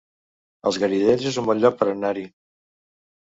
Els Garidells es un bon lloc per anar-hi